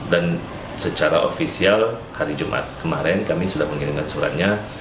dan secara ofisial hari jumat kemarin kami sudah mengirimkan suratnya